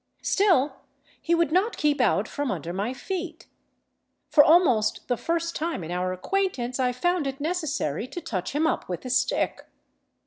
Still he would not keep out from under my feet. For almost the first time in our acquaintance I found it necessary to touch him up with a stick.